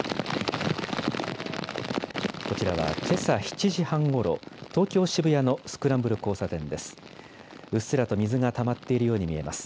こちらはけさ７時半ごろ、東京・渋谷のスクランブル交差点です。